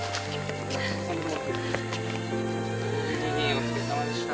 お疲れさまでした。